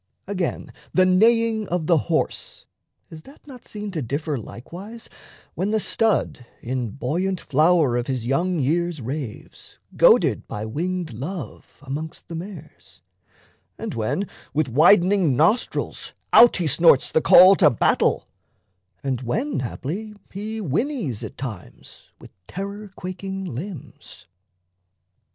Again the neighing of the horse, is that Not seen to differ likewise, when the stud In buoyant flower of his young years raves, Goaded by winged Love, amongst the mares, And when with widening nostrils out he snorts The call to battle, and when haply he Whinnies at times with terror quaking limbs?